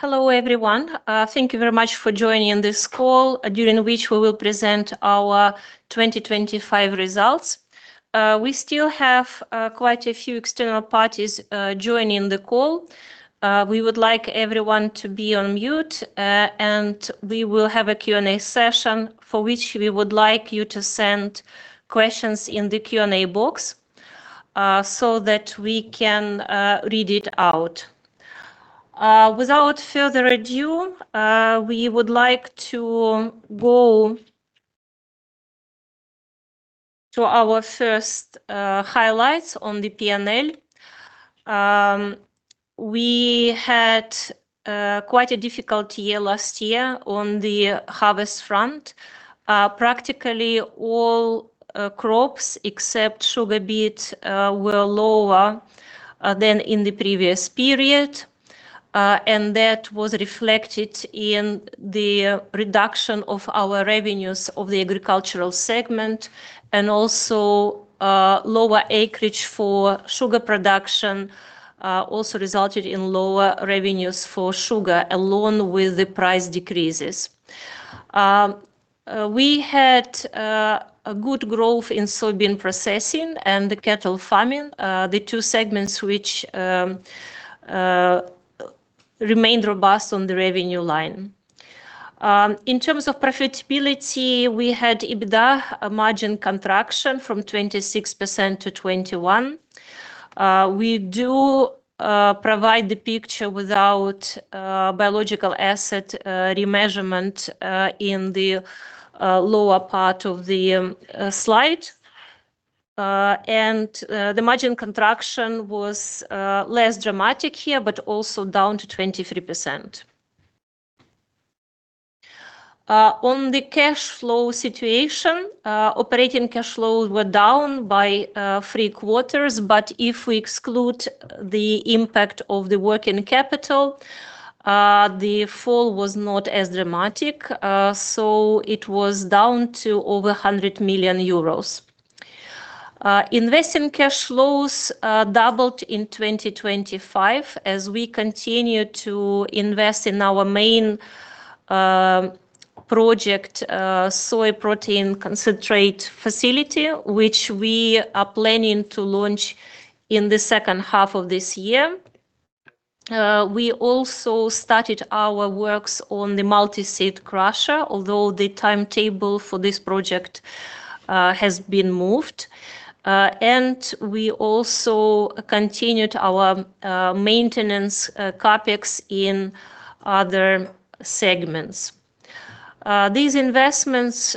Hello, everyone. Thank you very much for joining this call, during which we will present our 2025 results. We still have quite a few external parties joining the call. We would like everyone to be on mute, and we will have a Q&A session for which we would like you to send questions in the Q&A box, so that we can read it out. Without further ado, we would like to go to our first highlights on the P&L. We had quite a difficult year last year on the harvest front. Practically all crops except sugar beet were lower than in the previous period. That was reflected in the reduction of our revenues of the agricultural segment and also, lower acreage for sugar production also resulted in lower revenues for sugar, along with the price decreases. We had a good growth in soybean processing and the cattle farming, the two segments which remained robust on the revenue line. In terms of profitability, we had EBITDA margin contraction from 26% to 21%. We do provide the picture without biological asset remeasurement in the lower part of the slide. The margin contraction was less dramatic here, but also down to 23%. On the cash flow situation, operating cash flows were down by three quarters, but if we exclude the impact of the working capital, the fall was not as dramatic. It was down to over 100 million euros. Investing cash flows doubled in 2025 as we continue to invest in our main project, Soy Protein Concentrate facility, which we are planning to launch in the second half of this year. We also started our works on the multi-seed crusher, although the timetable for this project has been moved. We also continued our maintenance CapEx in other segments. These investments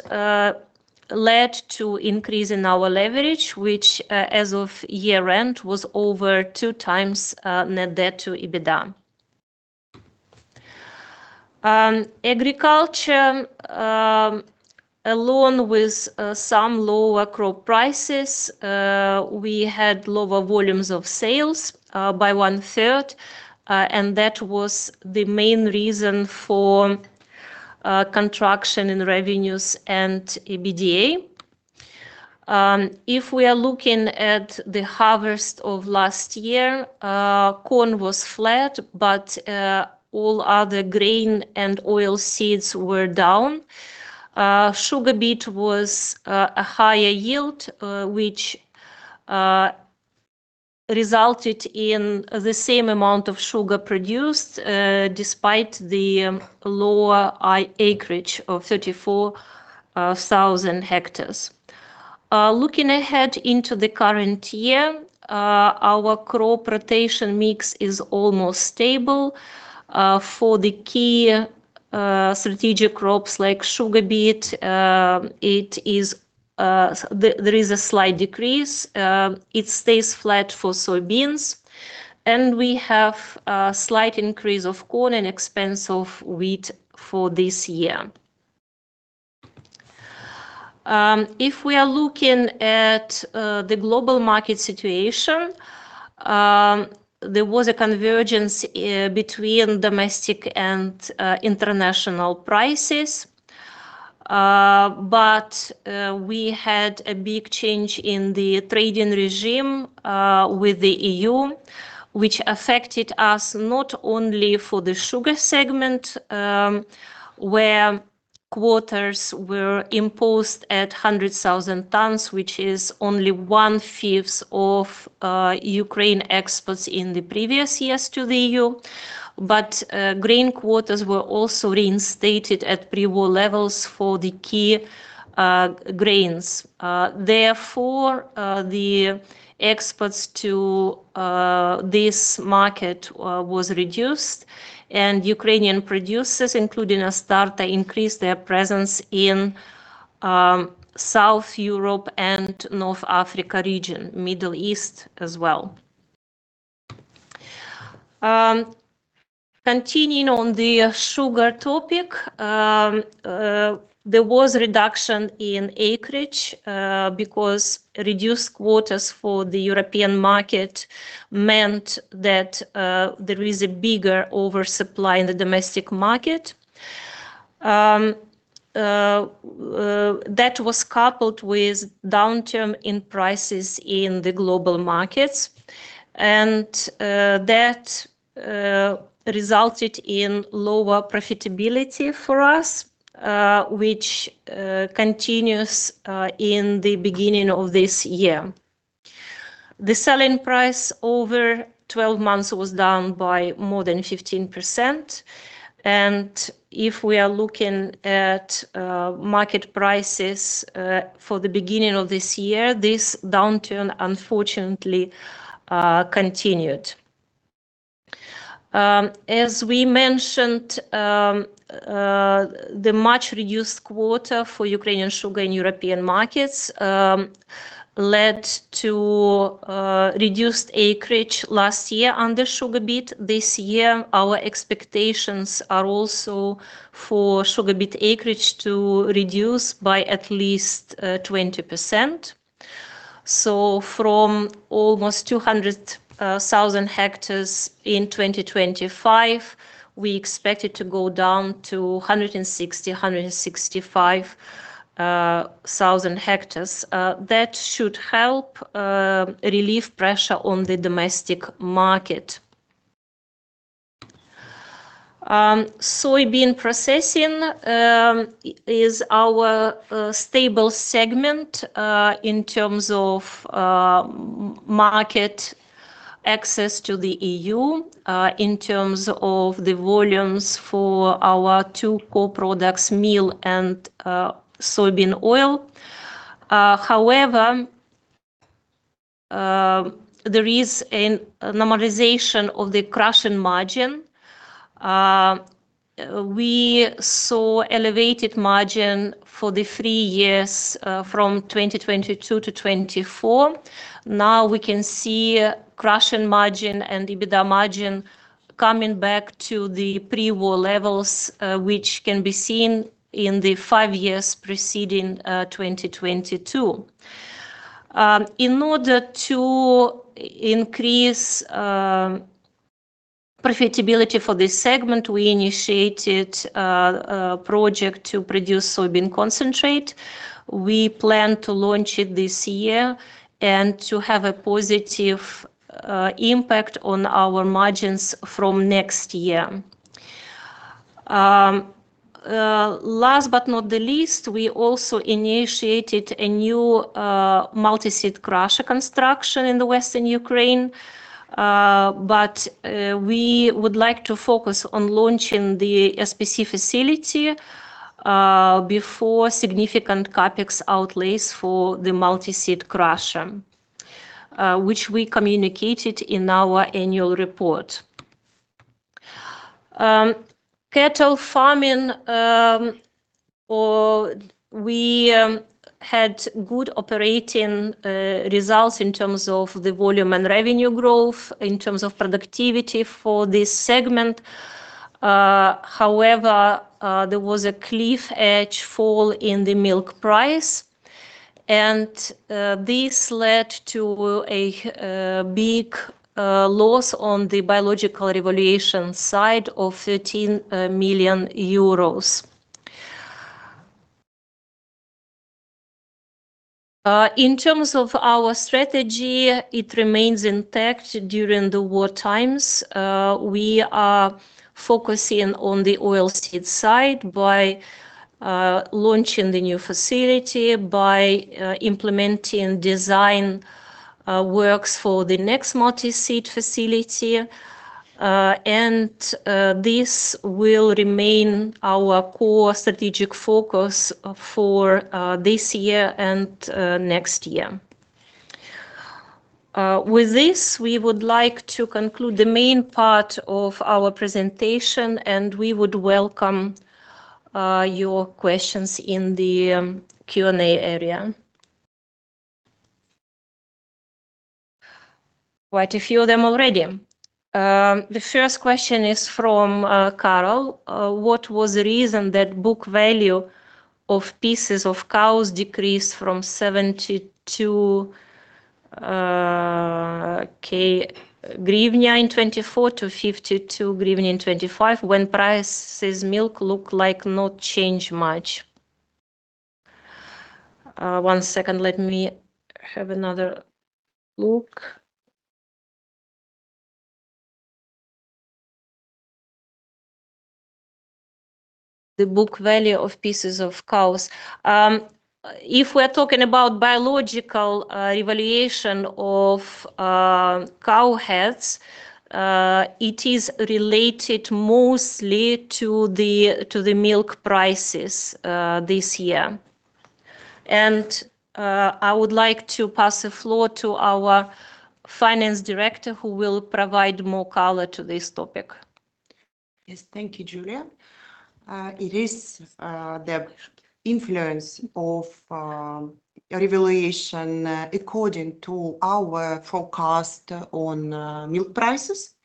led to increase in our leverage, which, as of year-end, was over 2 times net debt to EBITDA. Agriculture, along with some lower crop prices, we had lower volumes of sales by 1/3. That was the main reason for contraction in revenues and EBITDA. If we are looking at the harvest of last year, corn was flat, all other grain and oilseeds were down. Sugar beet was a higher yield, which resulted in the same amount of sugar produced despite the lower acreage of 34,000 hectares. Looking ahead into the current year, our crop rotation mix is almost stable. For the key strategic crops like sugar beet, there is a slight decrease. It stays flat for soybeans. We have a slight increase of corn and expense of wheat for this year. If we are looking at the global market situation, there was a convergence between domestic and international prices. We had a big change in the trading regime with the EU, which affected us not only for the sugar segment, where quotas were imposed at 100,000 tonnes, which is only 1/5 of Ukraine exports in the previous years to the EU. Grain quotas were also reinstated at pre-war levels for the key grains. Therefore, the exports to this market was reduced, and Ukrainian producers, including Astarta, increased their presence in South Europe and North Africa region, Middle East as well. Continuing on the sugar topic, there was reduction in acreage, because reduced quotas for the European market meant that there is a bigger oversupply in the domestic market. That was coupled with downturn in prices in the global markets, that resulted in lower profitability for us, which continues in the beginning of this year. The selling price over 12 months was down by more than 15%, if we are looking at market prices for the beginning of this year, this downturn unfortunately continued. As we mentioned, the much reduced quota for Ukrainian sugar in European markets led to reduced acreage last year under sugar beet. This year, our expectations are also for sugar beet acreage to reduce by at least 20%. From almost 200,000 hectares in 2025, we expect it to go down to 160, 165 thousand hectares. That should help relieve pressure on the domestic market. Soybean processing is our stable segment in terms of market access to the EU, in terms of the volumes for our two core products, meal and soybean oil. However, there is a normalization of the crushing margin. We saw elevated margin for the 3 years from 2022 to 2024. Now we can see crushing margin and the EBITDA margin coming back to the pre-war levels, which can be seen in the 5 years preceding 2022. In order to increase profitability for this segment, we initiated a project to produce Soybean Concentrate. We plan to launch it this year and to have a positive impact on our margins from next year. Last but not the least, we also initiated a new multi-seed crusher construction in Western Ukraine. We would like to focus on launching the SPC facility before significant CapEx outlays for the multi-seed crusher, which we communicated in our annual report. Cattle farming, we had good operating results in terms of the volume and revenue growth, in terms of productivity for this segment. However, there was a cliff edge fall in the milk price, and this led to a big loss on the biological revaluation side of 13 million euros. In terms of our strategy, it remains intact during the war times. We are focusing on the oil seed side by launching the new facility, by implementing design works for the next multi-seed facility. This will remain our core strategic focus for this year and next year. With this, we would like to conclude the main part of our presentation. We would welcome your questions in the Q&A area. Quite a few of them already. The first question is from Carl. What was the reason that book value of pieces of cows decreased from 70 UAH in 2024 to 52 UAH in 2025 when prices milk look like not change much? One second. Let me have another look. The book value of pieces of cows. If we're talking about biological revaluation of cow heads, it is related mostly to the milk prices this year. I would like to pass the floor to our finance director, who will provide more color to this topic. Yes. Thank you, Julia. It is the influence of revaluation according to our forecast on milk prices,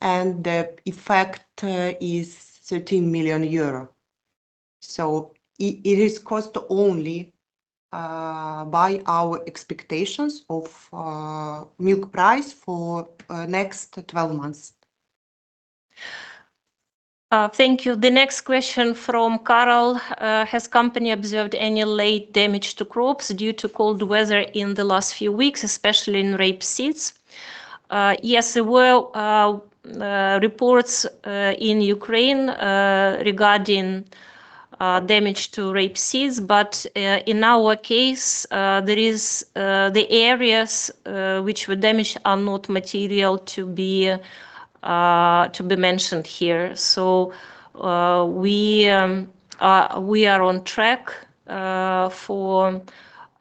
and the effect is 13 million euro. It is cost only by our expectations of milk price for next 12 months. Thank you. The next question from Carl. Has company observed any late damage to crops due to cold weather in the last few weeks, especially in rapeseed? Yes, there were reports in Ukraine regarding damage to rapeseed, but in our case, there is the areas which were damaged are not material to be mentioned here. We are on track for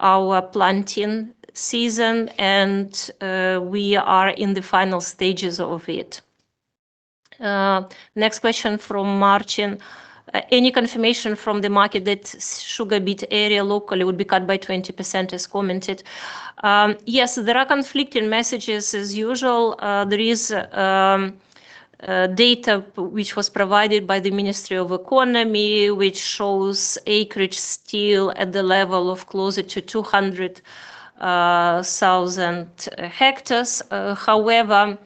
our planting season and we are in the final stages of it. Next question from Martin. Any confirmation from the market that sugar beet area locally would be cut by 20% as commented? Yes, there are conflicting messages as usual. There is data which was provided by the Ministry of Economy of Ukraine, which shows acreage still at the level of closer to 200,000 hectares. However,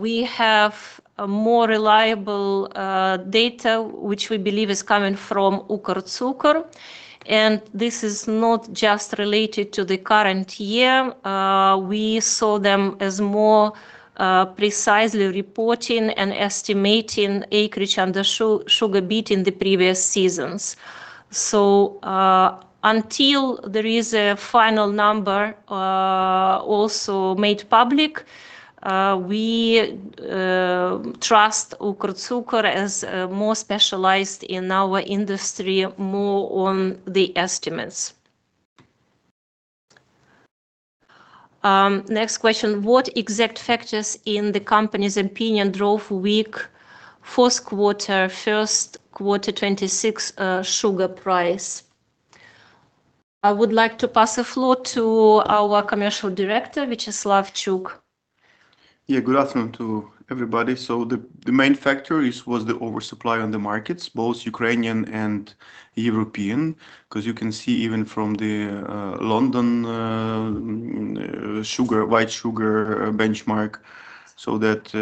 we have a more reliable data which we believe is coming from Ukrtsukor, and this is not just related to the current year. We saw them as more precisely reporting and estimating acreage under sugar beet in the previous seasons. Until there is a final number also made public, we trust Ukrtsukor as more specialized in our industry, more on the estimates. Next question. What exact factors in the company's opinion drove week first quarter, 2026 sugar price? I would like to pass the floor to our Commercial Director, Viacheslav Chuk. Yeah, good afternoon to everybody. The main factor was the oversupply on the markets, both Ukrainian and European, because you can see even from the London sugar, white sugar benchmark, so that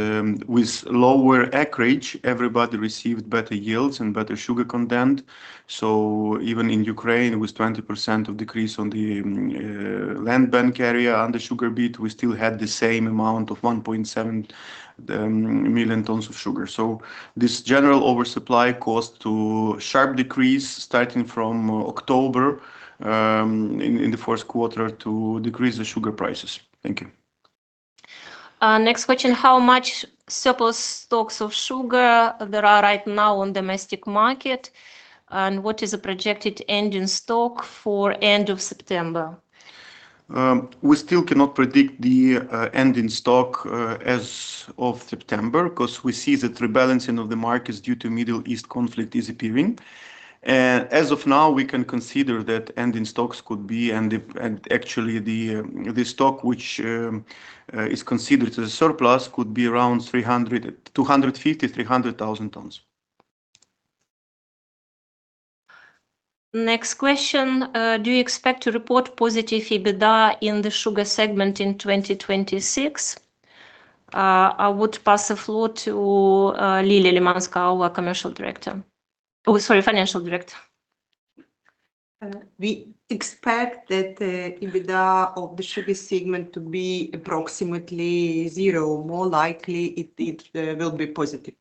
with lower acreage, everybody received better yields and better sugar content. Even in Ukraine, with 20% of decrease on the landbank area under sugar beet, we still had the same amount of 1.7 million tons of sugar. This general oversupply caused to sharp decrease starting from October, in the first quarter to decrease the sugar prices. Thank you. Next question. How much surplus stocks of sugar there are right now on domestic market, and what is the projected ending stock for end of September? We still cannot predict the ending stock as of September, because we see that rebalancing of the markets due to Middle East conflict is appearing. As of now, we can consider that ending stocks could be, and actually the stock which is considered as surplus could be around 300, 250, 300 thousand tons. Next question. Do you expect to report positive EBITDA in the sugar segment in 2026? I would pass the floor to Liliia Lymanska, our Commercial Director. Oh, sorry, Chief Financial Officer. We expect that the EBITDA of the sugar segment to be approximately 0. More likely it will be positive.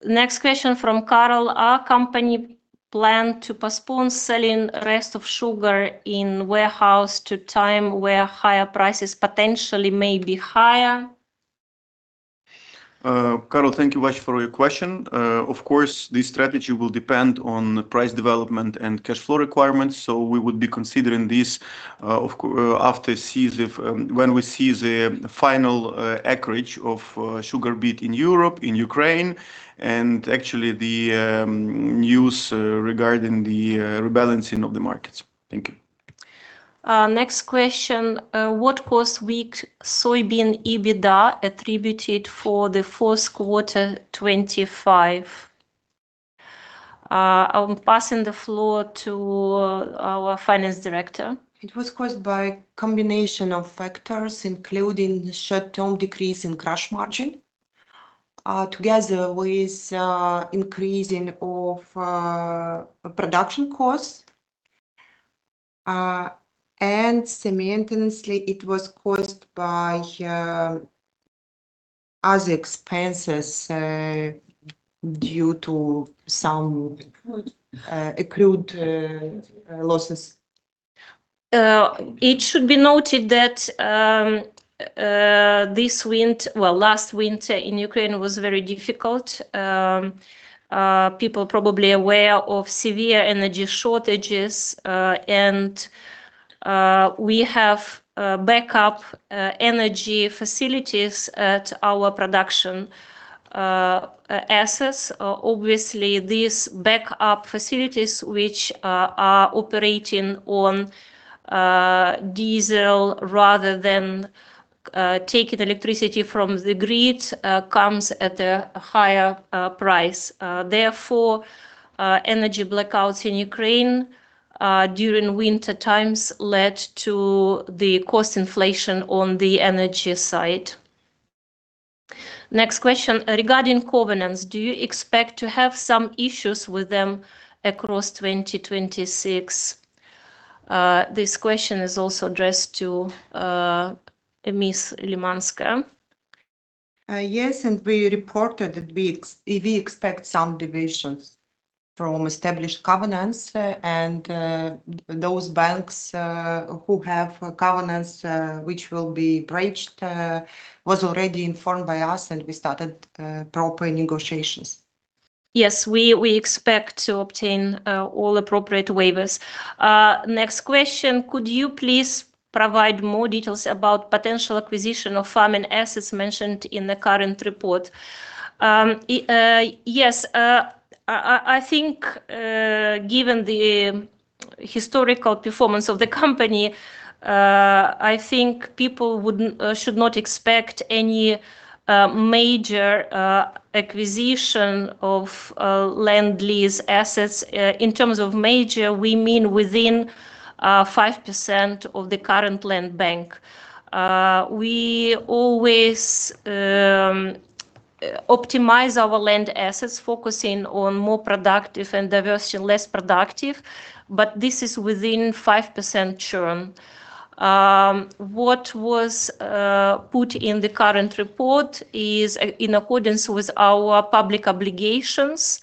Next question from Carl. Are company plan to postpone selling rest of sugar in warehouse to time where higher prices potentially may be higher? Carl, thank you much for your question. Of course, the strategy will depend on the price development and cash flow requirements. We would be considering this after season, when we see the final acreage of sugar beet in Europe, in Ukraine, and actually the news regarding the rebalancing of the markets. Thank you. Next question. What caused weak soybean EBITDA attributed for the fourth quarter 2025? I'm passing the floor to our Finance Director. It was caused by combination of factors, including the short-term decrease in crushing margin, together with increasing of production costs. Simultaneously, it was caused by other expenses due to some accrued losses. It should be noted that last winter in Ukraine was very difficult. People probably aware of severe energy shortages, and we have backup energy facilities at our production assets. Obviously these backup facilities which are operating on diesel rather than taking electricity from the grid, comes at a higher price. Therefore, energy blackouts in Ukraine during winter times led to the cost inflation on the energy side. Next question. Regarding covenants, do you expect to have some issues with them across 2026? This question is also addressed to Ms. Lymanska. Yes. We reported that we expect some divisions from established covenants, and those banks who have covenants which will be breached, was already informed by us, and we started proper negotiations. Yes, we expect to obtain all appropriate waivers. Next question. Could you please provide more details about potential acquisition of farming assets mentioned in the current report? Yes. I think, given the historical performance of the company, I think people wouldn't should not expect any major acquisition of land lease assets. In terms of major, we mean within 5% of the current land bank. We always optimize our land assets, focusing on more productive and diversion less productive, but this is within 5% churn. What was put in the current report is in accordance with our public obligations,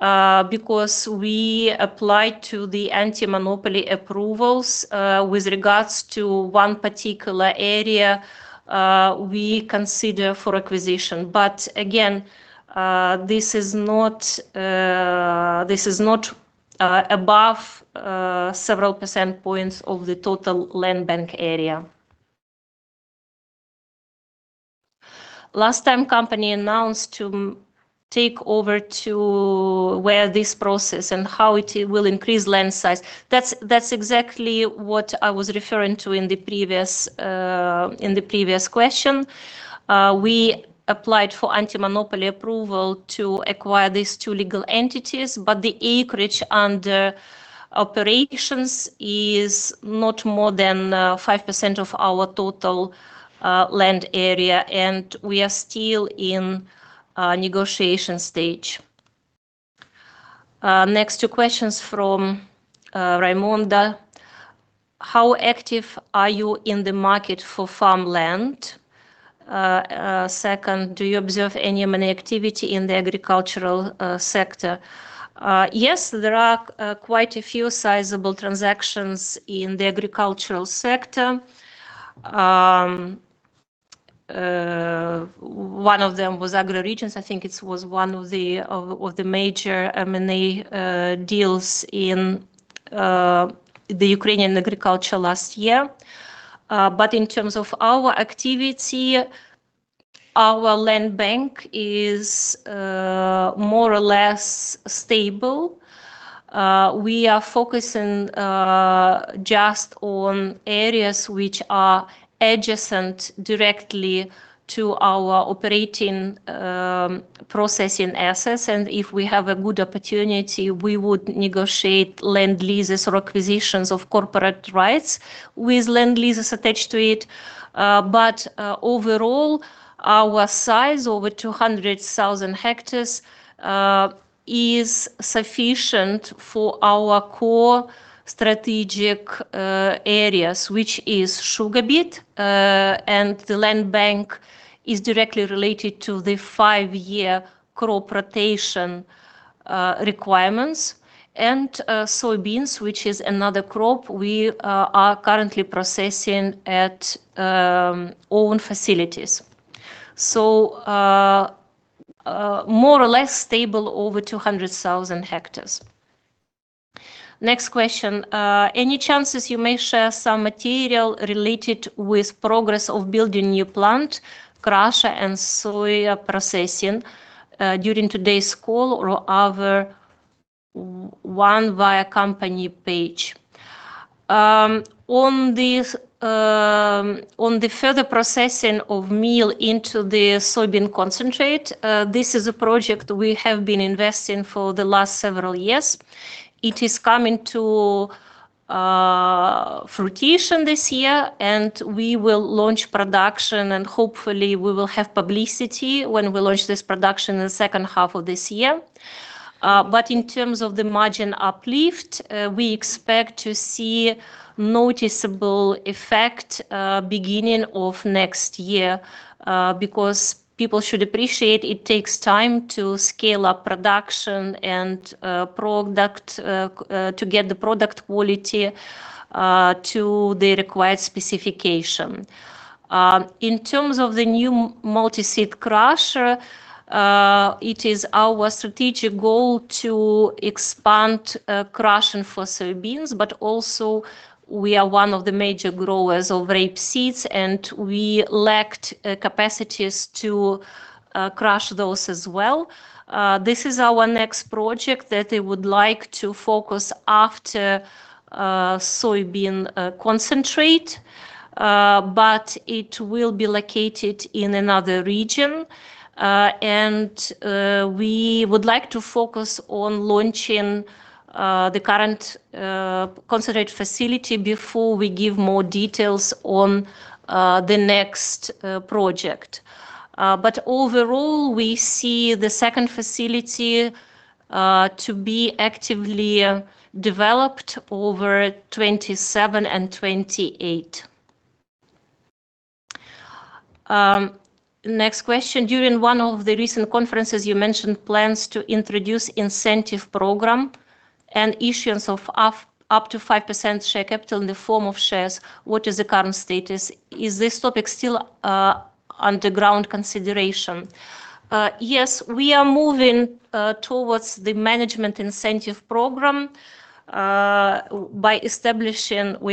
because we applied to the anti-monopoly approvals, with regards to one particular area, we consider for acquisition. Again, this is not, this is not, above, several percentage points of the total land bank area. Last time company announced to take over to where this process and how it will increase land size. That's exactly what I was referring to in the previous, in the previous question. We applied for anti-monopoly approval to acquire these 2 legal entities, but the acreage under operations is not more than 5% of our total land area, and we are still in negotiation stage. Next 2 questions from Raimonda. How active are you in the market for farmland? Second, do you observe any M&A activity in the agricultural sector? Yes, there are quite a few sizable transactions in the agricultural sector. One of them was Agro-Region. I think it was one of the major M&A deals in the Ukrainian agriculture last year. In terms of our activity, our land bank is more or less stable. We are focusing just on areas which are adjacent directly to our operating processing assets, and if we have a good opportunity, we would negotiate land leases or acquisitions of corporate rights with land leases attached to it. Overall, our size, over 200,000 hectares, is sufficient for our core strategic areas, which is sugar beet, and the land bank is directly related to the 5 year crop rotation requirements, and soybeans, which is another crop we are currently processing at own facilities. More or less stable over 200,000 hectares. Next question. Any chances you may share some material related with progress of building new plant crusher and soy processing during today's call or other one via company page? On this, on the further processing of meal into the soybean concentrate, this is a project we have been investing for the last several years. It is coming to fruition this year, and we will launch production, and hopefully we will have publicity when we launch this production in the second half of this year. In terms of the margin uplift, we expect to see noticeable effect beginning of next year, because people should appreciate it takes time to scale up production and product to get the product quality to the required specification. In terms of the new multi-seed crusher, it is our strategic goal to expand crushing for soybeans, but also we are one of the major growers of rapeseed, and we lacked capacities to crush those as well. This is our next project that I would like to focus after Soybean Concentrate. It will be located in another region. We would like to focus on launching the current concentrate facility before we give more details on the next project. Overall, we see the second facility to be actively developed over 2027 and 2028. Next question. During one of the recent conferences, you mentioned plans to introduce incentive program and issuance of up to 5% share capital in the form of shares. What is the current status? Is this topic still under ground consideration? Yes, we are moving towards the management incentive program. We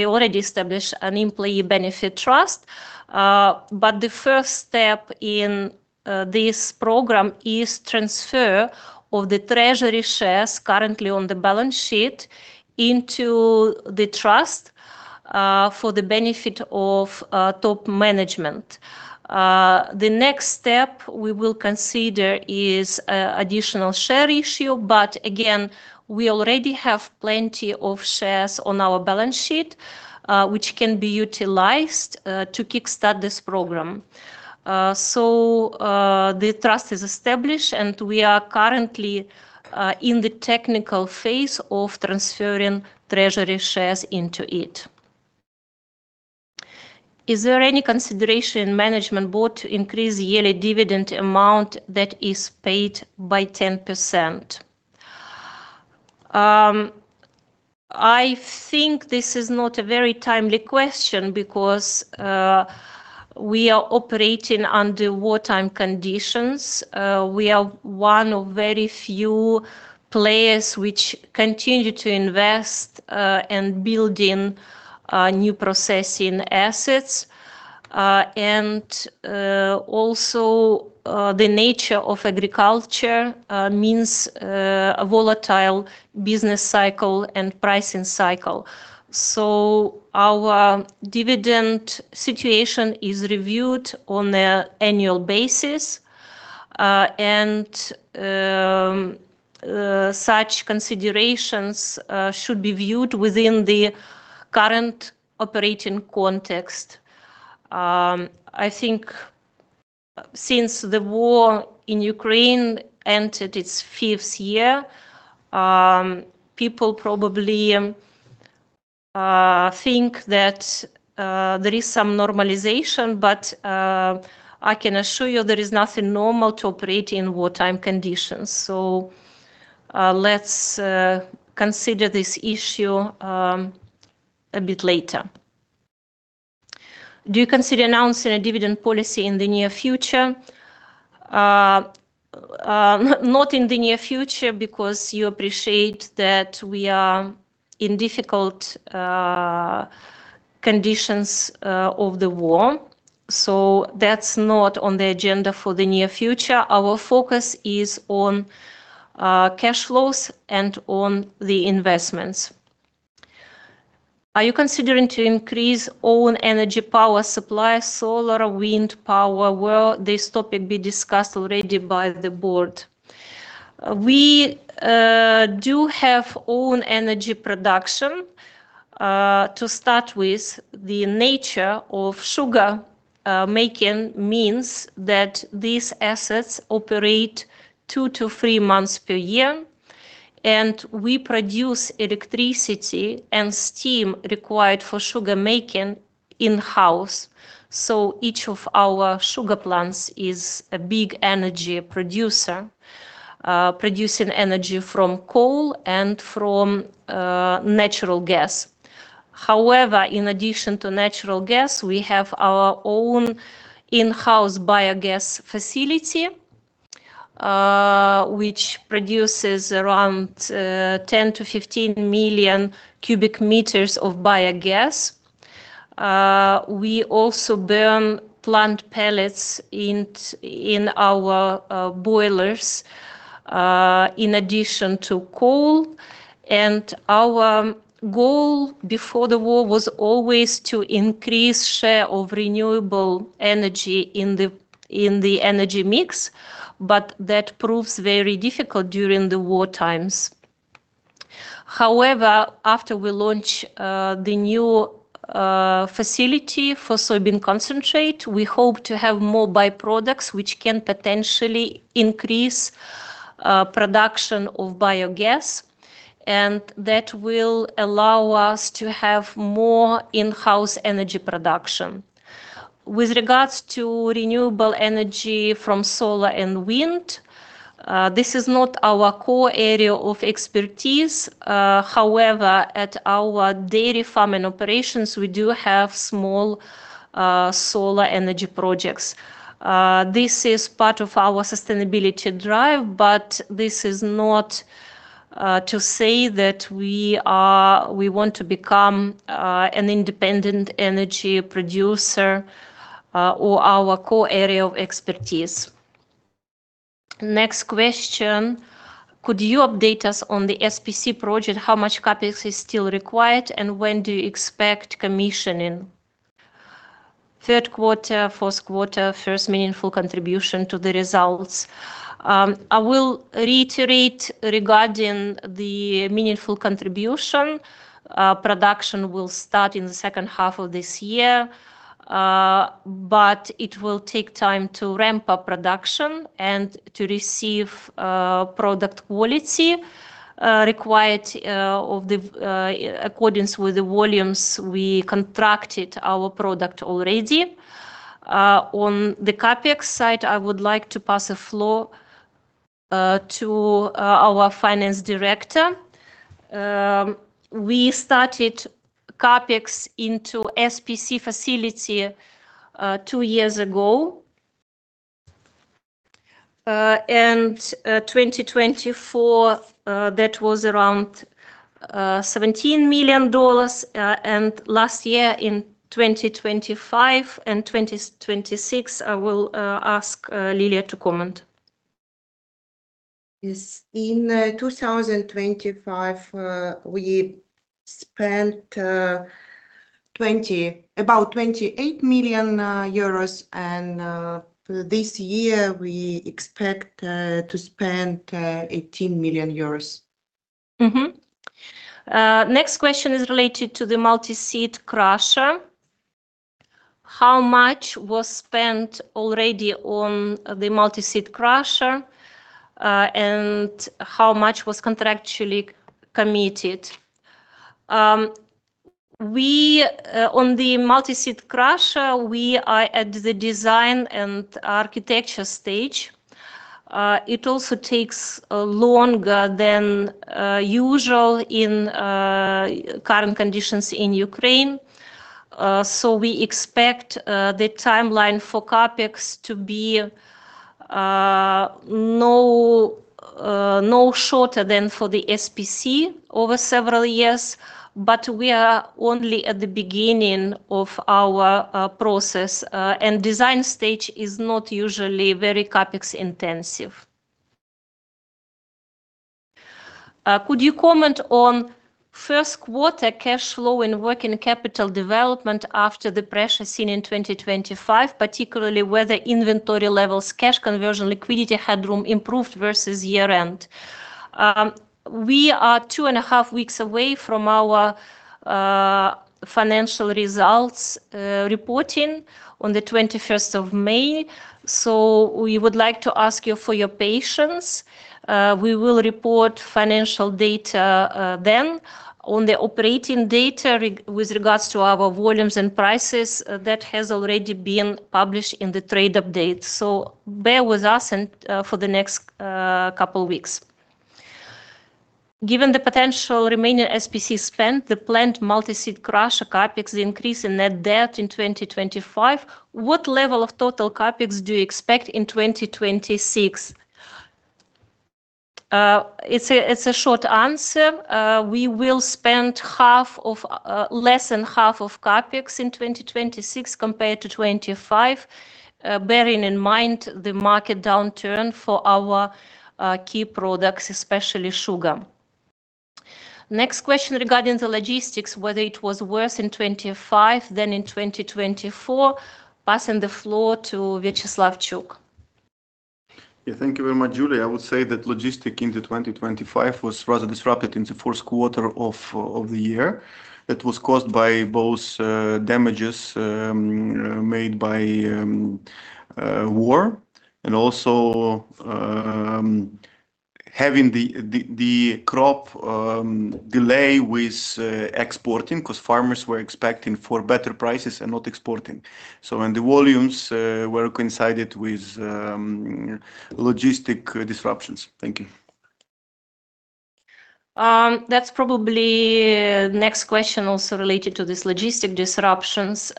already established an employee benefit trust. The first step in this program is transfer of the treasury shares currently on the balance sheet into the trust for the benefit of top management. The next step we will consider is additional share issue. Again, we already have plenty of shares on our balance sheet which can be utilized to kickstart this program. The trust is established, and we are currently in the technical phase of transferring treasury shares into it. Is there any consideration management board to increase yearly dividend amount that is paid by 10%? I think this is not a very timely question because we are operating under wartime conditions. We are one of very few players which continue to invest and building new processing assets. Also the nature of agriculture means a volatile business cycle and pricing cycle. Our dividend situation is reviewed on an annual basis, and such considerations should be viewed within the current operating context. I think since the war in Ukraine entered its fifth year, people probably think that there is some normalization, but I can assure you there is nothing normal to operate in wartime conditions. Let's consider this issue a bit later. Do you consider announcing a dividend policy in the near future? Not in the near future because you appreciate that we are in difficult conditions of the war, so that's not on the agenda for the near future. Our focus is on cash flows and on the investments. Are you considering to increase own energy power supply, solar, wind power? Will this topic be discussed already by the board? We do have own energy production. To start with, the nature of sugar making means that these assets operate 2 to 3 months per year, and we produce electricity and steam required for sugar making in-house, so each of our sugar plants is a big energy producer, producing energy from coal and from natural gas. In addition to natural gas, we have our own in-house biogas facility, which produces around 10 to 15 million cubic meters of biogas. We also burn plant pellets in our boilers, in addition to coal. Our goal before the war was always to increase share of renewable energy in the energy mix, but that proves very difficult during the war times. After we launch the new facility for Soybean Concentrate, we hope to have more byproducts, which can potentially increase production of biogas, and that will allow us to have more in-house energy production. With regards to renewable energy from solar and wind, this is not our core area of expertise. At our dairy farming operations, we do have small solar energy projects. This is part of our sustainability drive, but this is not to say that we want to become an independent energy producer or our core area of expertise. Next question. Could you update us on the SPC project? How much CapEx is still required, and when do you expect commissioning? Third quarter, fourth quarter, first meaningful contribution to the results. I will reiterate regarding the meaningful contribution. Production will start in the second half of this year, but it will take time to ramp up production and to receive product quality required of the accordance with the volumes we contracted our product already. On the CapEx side, I would like to pass the floor to our finance director, we started CapEx into SPC facility two years ago. 2024, that was around $17 million. Last year in 2025 and 2026, I will ask Lilia to comment. Yes. In 2025, we spent 28 million euros and this year we expect to spend 18 million euros. Next question is related to the multi-seed crusher. How much was spent already on the multi-seed crusher, and how much was contractually committed? We, on the multi-seed crusher, we are at the design and architecture stage. It also takes longer than usual in current conditions in Ukraine. We expect the timeline for CapEx to be no shorter than for the SPC over several years, but we are only at the beginning of our process. Design stage is not usually very CapEx intensive. Could you comment on first quarter cash flow and working capital development after the pressure seen in 2025, particularly whether inventory levels, cash conversion, liquidity headroom improved versus year-end? We are 2 and a half weeks away from our financial results reporting on the 21st of May. We would like to ask you for your patience. We will report financial data then. On the operating data with regards to our volumes and prices, that has already been published in the trade update, so bear with us for the next couple weeks. Given the potential remaining SPC spend, the planned multi-seed crusher CapEx increase in net debt in 2025, what level of total CapEx do you expect in 2026? It's a short answer. We will spend half of less than half of CapEx in 2026 compared to 2025, bearing in mind the market downturn for our key products, especially sugar. Next question regarding the logistics, whether it was worse in 2025 than in 2024. Passing the floor to Viacheslav Chuk. Yeah. Thank you very much, Julia. I would say that logistic into 2025 was rather disrupted in the fourth quarter of the year. It was caused by both damages made by war and also having the crop delay with exporting because farmers were expecting for better prices and not exporting, when the volumes were coincided with logistic disruptions. Thank you That's probably next question also related to this logistic disruptions.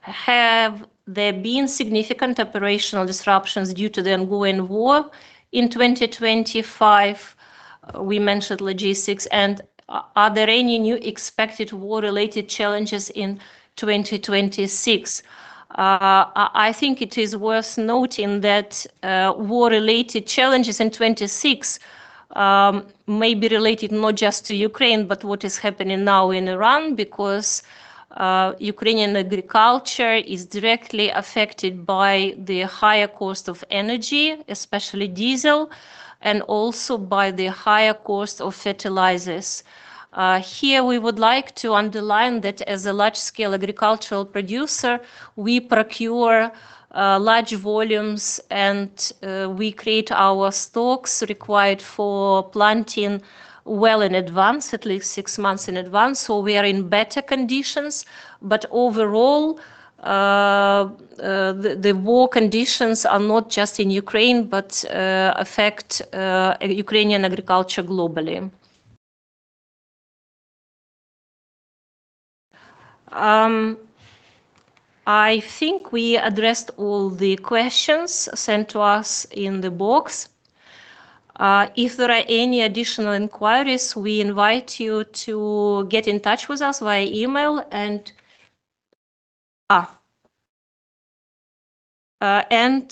Have there been significant operational disruptions due to the ongoing war in 2025? We mentioned logistics. Are there any new expected war-related challenges in 2026? I think it is worth noting that war-related challenges in 2026 may be related not just to Ukraine, but what is happening now in Iran because Ukrainian agriculture is directly affected by the higher cost of energy, especially diesel, and also by the higher cost of fertilizers. Here we would like to underline that as a large scale agricultural producer, we procure large volumes and we create our stocks required for planting well in advance, at least 6 months in advance, so we are in better conditions. Overall, the war conditions are not just in Ukraine, but affect Ukrainian agriculture globally. I think we addressed all the questions sent to us in the box. If there are any additional inquiries, we invite you to get in touch with us via email and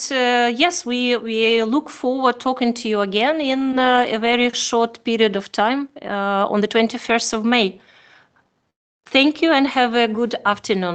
yes, we look forward talking to you again in a very short period of time on the 21st of May. Thank you and have a good afternoon.